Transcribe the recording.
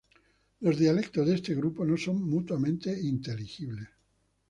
Los dialectos de este grupo no son mutuamente inteligibles.